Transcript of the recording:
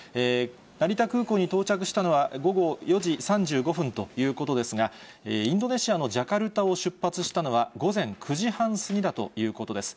成田空港に到着したのは午後４時３５分ということですが、インドネシアのジャカルタを出発したのは、午前９時半過ぎだということです。